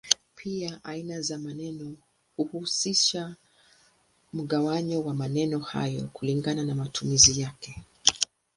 Pia aina za maneno huhusisha mgawanyo wa maneno hayo kulingana na matumizi yake.